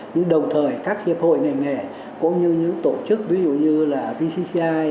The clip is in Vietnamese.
nhưng đồng thời các hiệp hội ngành nghề cũng như những tổ chức ví dụ như là vcci